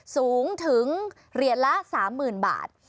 สูงถึงเหรียญละ๓๐๐๐บาท